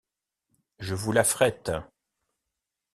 Je vous l’affrète.